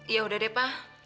ya udah deh pak